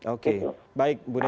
oke baik bu neti